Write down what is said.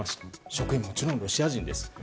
職員はもちろんロシア人です。